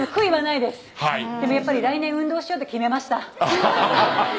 でもやっぱり来年は運動しようって決めました。